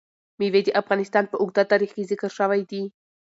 مېوې د افغانستان په اوږده تاریخ کې ذکر شوی دی.